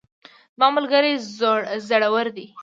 زما ملګری زړور ده